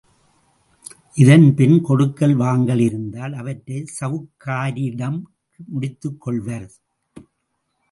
இதன் பின் கொடுக்கல் வாங்கல் இருந்தால் அவற்றைச் சவுக்காரிடம் முடித்துக்கொள்வர்.